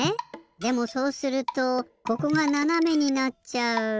でもそうするとここがななめになっちゃう。